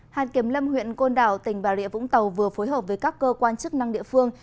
hàn kiểm lâm huyện côn đảo tỉnh bà rịa vũng tàu vừa phối hợp với các cơ quan chức năng địa phương